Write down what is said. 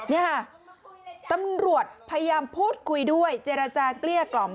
นี่ค่ะตำรวจพยายามพูดคุยด้วยเจรจาเกลี้ยกล่อม